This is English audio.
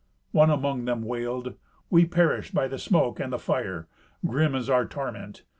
One among them wailed, "We perish by the smoke and the fire. Grim is our torment.